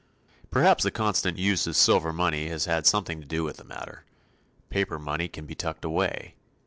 Perhaps the constant use of silver money has had something to do with the matter. Paper money can be tucked away.